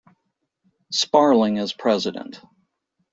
Sparling as president.